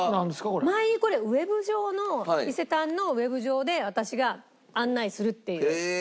前にこれＷＥＢ上の伊勢丹のＷＥＢ上で私が案内するっていう。